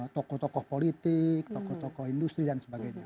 tokoh tokoh politik tokoh tokoh industri dan sebagainya